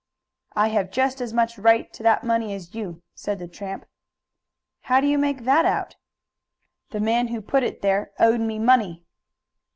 "I have just as much right to that money as you," said the tramp. "How do you make that out?" "The man who put it there owed me money."